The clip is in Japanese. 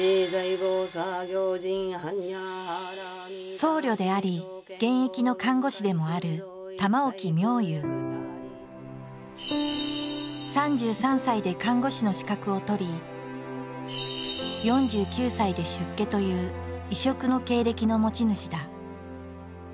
僧侶であり現役の看護師でもある３３歳で看護師の資格を取り４９歳で出家という異色の経歴の持ち主だ。